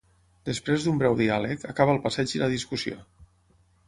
Després d’un breu diàleg, acaba el passeig i la discussió.